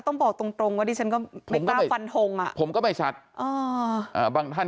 ต้องบอกตรงตรงว่าดิฉันก็ไม่กล้าฟันทงอ่ะผมก็ไม่ชัดบางท่าน